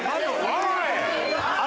おい！